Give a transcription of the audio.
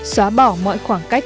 xóa bỏ mọi khoảng cách